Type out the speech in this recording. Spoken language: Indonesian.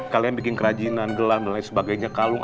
kalian bikin kerajinan gelam dan lain sebagainya kalung